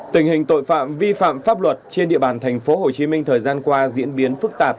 tình hình tội phạm vi phạm pháp luật trên địa bàn tp hcm thời gian qua diễn biến phức tạp